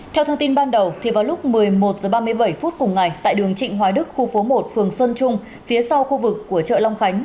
theo thông tin ban đầu vào lúc một mươi một h ba mươi bảy phút cùng ngày tại đường trịnh hoài đức khu phố một phường xuân trung phía sau khu vực của chợ long khánh